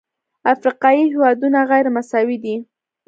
افریقایي هېوادونه غیرمساوي دي.